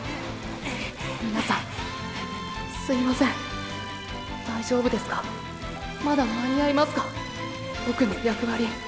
皆さんすいません大丈夫ですかまだ間に合いますかボクの役割